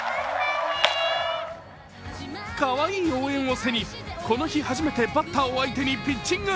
かわいい応援を背にこの日初めてバッターを相手にピッチング。